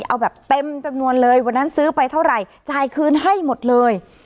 เอาแบบเต็มจำนวนเลยวันนั้นซื้อไปเท่าไหร่จ่ายคืนให้หมดเลย